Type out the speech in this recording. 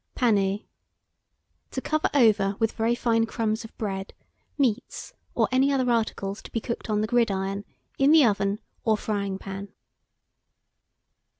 PANER. To cover over with very fine crumbs of bread, meats, or any other articles to be cooked on the gridiron, in the oven, or frying pan.